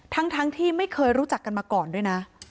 ทั้งที่ไม่เคยรู้จักกันมาก่อนด้วยนะ